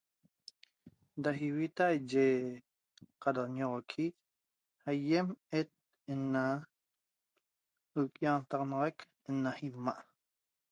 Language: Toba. Da ivita eye carañoxoqui aiem et ena nquiantaxanaxaq ena imaa'